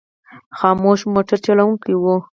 خاموش مو موټر چلوونکی و.